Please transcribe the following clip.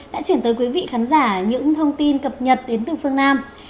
đã chuyển tới quý vị khán giả những thông tin cập nhật đến từ phương nam